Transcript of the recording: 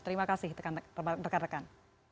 terima kasih rekan rekan